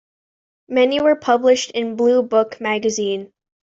Many were published in "Blue Book" magazine.